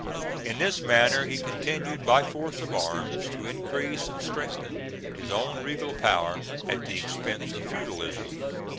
In this manner he continued, by force of arms, to increase and strengthen his own regal power at the expense of feudalism.